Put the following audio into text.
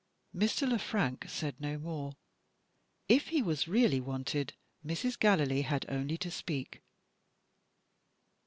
Mr. Le Frank said no more. If he was really wanted, Mrs. Gallilee had only to speak.